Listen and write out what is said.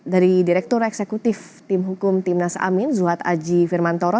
dari direktur eksekutif tim hukum timnas amin zuhad aji firmantoro